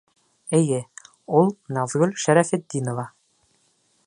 Эйе, ул — Наҙгөл Шәрәфетдинова.